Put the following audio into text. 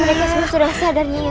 mereka semua sudah sadar nyira